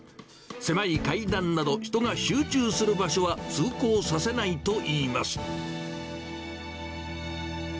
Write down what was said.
狭い階段など、人が集中する場所は通行させないといいます。